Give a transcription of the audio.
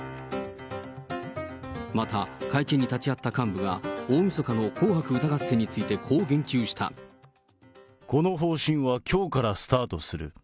また会見に立ち会った幹部が、大みそかの紅白歌合戦についてこうこの方針はきょうからスタートする。